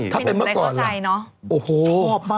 ถ้าเป็นเมื่อก่อนโอ้โห